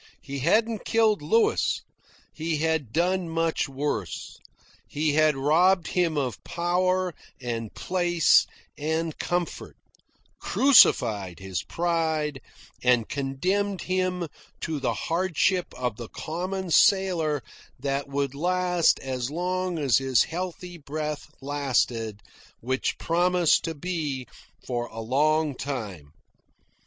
He hadn't killed Louis. He had done much worse. He had robbed him of power and place and comfort, crucified his pride, and condemned him to the hardship of the common sailor that would last as long as his healthy breath lasted, which promised to be for a long time.